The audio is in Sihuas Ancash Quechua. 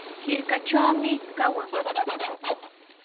Hirkatrawmi kawan.